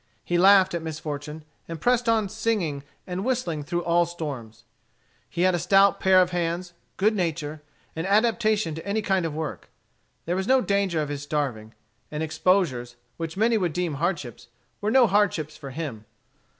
He laughed at misfortune, and pressed on singing and whistling through all storms. He had a stout pair of hands, good nature, and adaptation to any kind of work. There was no danger of his starving; and exposures, which many would deem hardships, were no hardships for him.